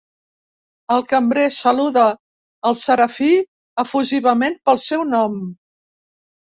El cambrer saluda el Serafí efusivament pel seu nom.